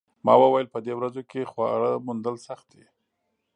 ما وویل په دې ورځو کې خواړه موندل سخت دي